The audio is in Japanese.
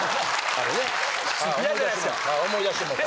あっ思い出してもうた。